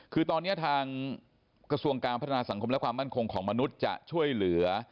คือตอนนี้ทางกระทรวงการพัฒนาสังคมและความมั่นคงของมนุษย์จะช่วยเหลือ